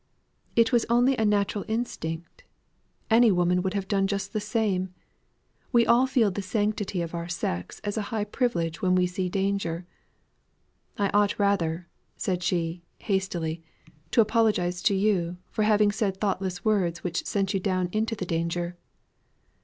"It was only a natural instinct; any woman would have done just the same. We all feel the sanctity of our sex as a high privilege when we see danger. I ought rather," said she, hastily, "to apologise to you, for having said thoughtless words which sent you down into the danger."